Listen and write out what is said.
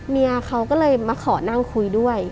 เมียเขาก็เลยมาขอนั่งคุยด้วย